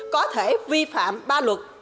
có thể vi phạm ba luật